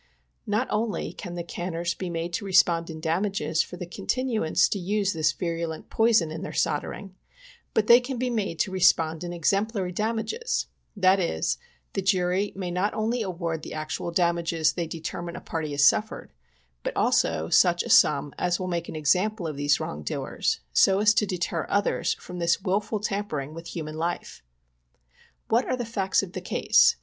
Not only can the canners be made to respond in damages for the continuance to use this virulent poison in their sol dering, but they can be made to respond in exemplary dam ages— that is, the jury may not only award the actual damages they determine a party has suffered, but also such a sum as will make an example of these wrongdoers, so as to •deter others from this ivilful tampering ivith human life. What are the facts of the case